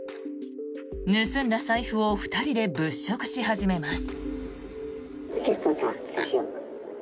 盗んだ財布を２人で物色し始めます。